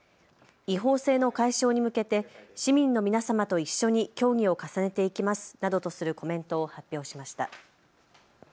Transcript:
違法性の解消に向けて市民の皆様と一緒に協議を重ねていきますなどとするコメントを発表しました。